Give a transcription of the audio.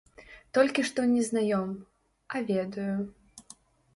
Толькі што не знаём, а ведаю.